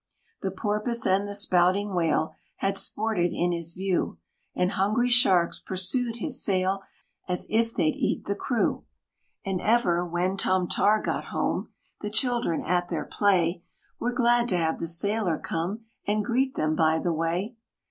The porpoise and the spouting whale Had sported in his view; And hungry sharks pursued his sail, As if they'd eat the crew. And ever, when Tom Tar got home, The children, at their play, Were glad to have the Sailor come, And greet them by the way.